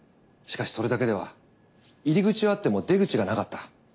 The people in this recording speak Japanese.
しかしそれだけでは入り口はあっても出口がなかった。